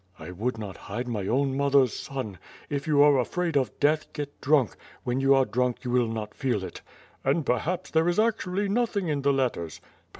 "I would not hide my own mother's son. If you are afraid of death, get drunk; when you are drunk, you will not feel it." "And perhaps there is actuallv nothing in the letters."